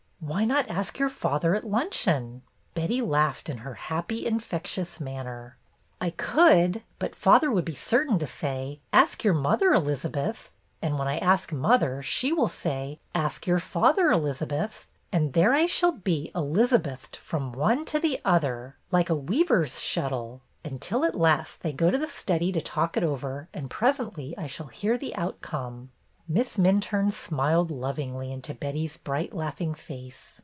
'' ''Why not ask your father at luncheon?" Betty laughed in her happy, infectious manner. "I could. But father would be certain to say, 'Ask your mother, Elizabeth.' And when I ask mother, she will say, 'Ask your father, Elizabeth.' And there I shall be 'Elizabethed' from one to the other like a weaver's shuttle, until at last they go to the study to talk it over and presently I shall hear the outcome." Miss Minturne smiled lovingly into Betty's bright, laughing face.